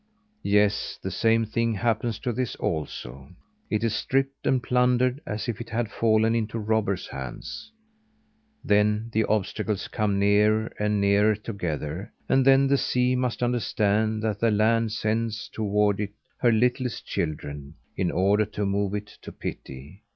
Yes, the same thing happens to this also. It is stripped and plundered, as if it had fallen into robbers' hands. Then the obstacles come nearer and nearer together, and then the sea must understand that the land sends toward it her littlest children, in order to move it to pity.